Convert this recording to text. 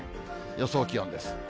予想気温です。